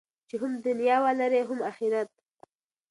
چې هم دنیا ولرئ هم اخرت.